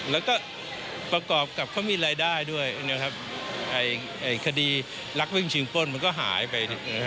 แล้วก็ประกอบกับเขามีรายได้ด้วยนะครับคดีรักวิ่งชิงป้นมันก็หายไป